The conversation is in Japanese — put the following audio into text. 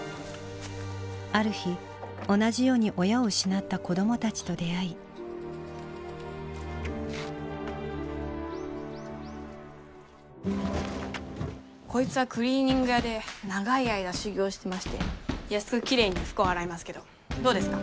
ある日同じように親を失った子どもたちと出会いこいつはクリーニング屋で長い間修業してまして安くきれいに服を洗いますけどどうですか？